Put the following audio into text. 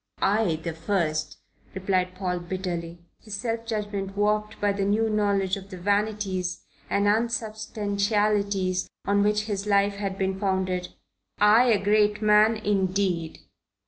"I the first," replied Paul bitterly, his self judgment warped by the new knowledge of the vanities and unsubstantialities on which his life had been founded. "I a great man, indeed!"